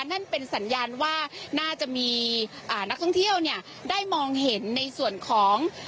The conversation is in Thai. นั่นเป็นสัญญาณว่าน่าจะมีนักท่องเที่ยวเนี่ยได้มองเห็นในส่วนของ